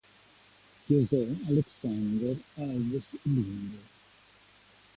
José Alexandre Alves Lindo